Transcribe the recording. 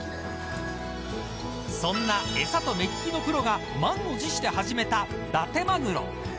そんな餌と、目利きのプロが満を持して始めた、だてまぐろ。